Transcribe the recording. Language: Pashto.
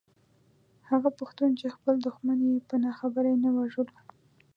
هغه پښتون چې خپل دښمن يې په ناخبرۍ نه وژلو.